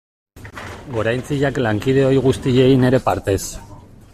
Goraintziak lankide ohi guztiei nire partez.